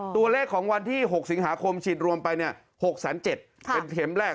ตัวเลขของวันที่๖สิงหาคมฉีดรวมไป๖๗๐๐เป็นเข็มแรก